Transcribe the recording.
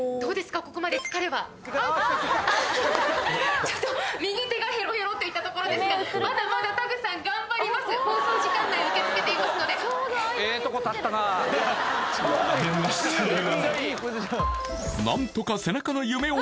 ここまで疲れはちょっと右手がヘロヘロっていったところですがまだまだたぐさん頑張ります放送時間内受け付けていますので何とか